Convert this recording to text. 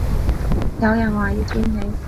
有人話要見你